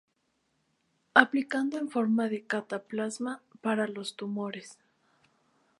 Aplicado en forma de cataplasma para los tumores.